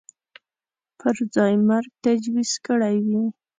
پر ځای مرګ تجویز کړی وي